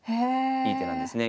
いい手なんですね。